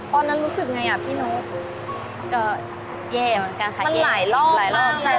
ตอนนั้นรู้สึกอย่างไรน่ะพี่โน๊ต